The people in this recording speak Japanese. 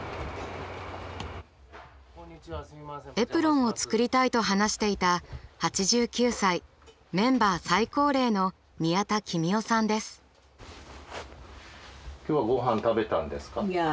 エプロンを作りたいと話していた８９歳メンバー最高齢の今日はごはん食べたんですか？